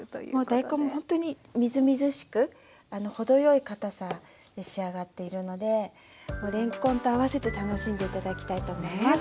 大根もほんとにみずみずしく程よいかたさに仕上がっているのでれんこんとあわせて楽しんで頂きたいと思います。